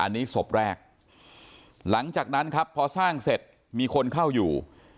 อันนี้ศพแรกหลังจากนั้นครับพอสร้างเสร็จมีคนเข้าอยู่